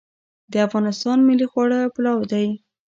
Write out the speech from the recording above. د افغانستان ملي خواړه پلاو دی